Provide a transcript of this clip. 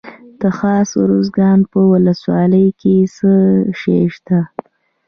د خاص ارزګان په ولسوالۍ کې څه شی شته؟